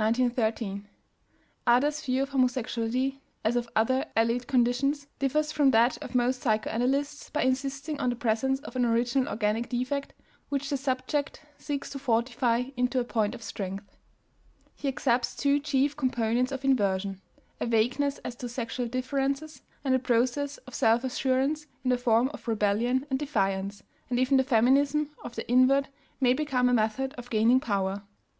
Adler's view of homosexuality, as of other allied conditions, differs from that of most psychoanalysts by insisting on the presence of an original organic defect which the subject seeks to fortify into a point of strength; he accepts two chief components of inversion: a vagueness as to sexual differences and a process of self assurance in the form of rebellion and defiance, and even the feminism of the invert may become a method of gaining power (A.